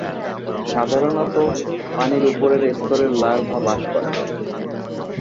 সাধারণত পানির উপরের স্তরে লার্ভা বাস করে।